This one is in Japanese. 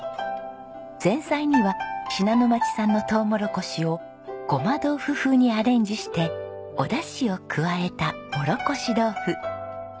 前菜には信濃町産のとうもろこしをごま豆腐風にアレンジしてお出汁を加えたもろこし豆腐。